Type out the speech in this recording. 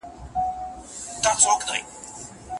خپلواکه څېړنه د سندي څېړني په پرتله ډېره ارزښتمنه ده.